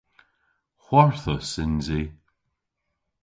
Hwarthus yns i.